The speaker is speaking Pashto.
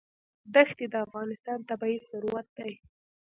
دښتې د افغانستان طبعي ثروت دی.